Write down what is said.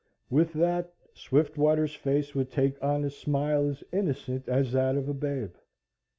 With that, Swiftwater's face would take on a smile as innocent as that of a babe.